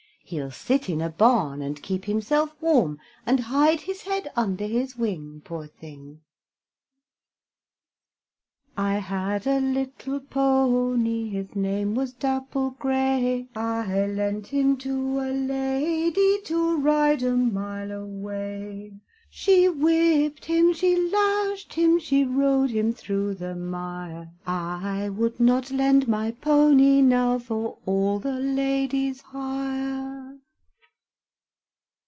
He'll sit in a barn, And keep himself warm, And hide his head under his wing, Poor thing! I had a little pony, His name was Dapple gray, I lent him to a lady, To ride a mile away; She whipped him, she lashed him, She rode him through the mire; I would not lend my pony now For all the lady's hire.